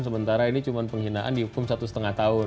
sementara ini cuma penghinaan dihukum satu lima tahun